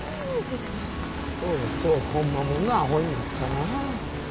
とうとうホンマもんのアホになったな。